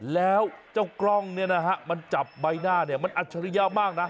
แล้วเจ้ากล้องเนี่ยนะฮะมันจับใบหน้าเนี่ยมันอัจฉริยะมากนะ